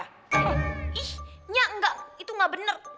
ih iya enggak itu enggak bener